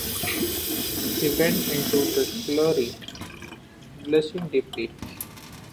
She went into the scullery, blushing deeply.